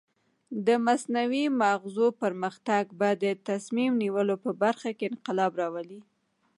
د مصنوعي مغزو پرمختګ به د تصمیم نیولو په برخه کې انقلاب راولي.